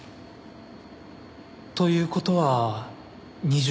という事は２０年前の？